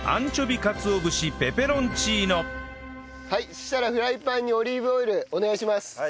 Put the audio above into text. そしたらフライパンにオリーブオイルお願いします。